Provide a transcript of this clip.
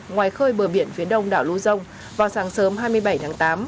ngoài khơi bờ biển phía đông đảo luzon vào sáng sớm hai mươi bảy tháng tám